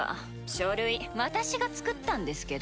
書類私が作ったんですけど。